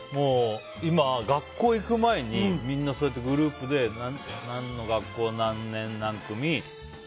今、学校行く前にみんなそうやってグループで何の学校、何年何組。